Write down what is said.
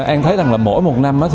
an thấy rằng là mỗi một năm